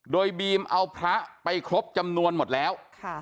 โดยบีมเอาพระไปครบจำนวนหมดแล้ว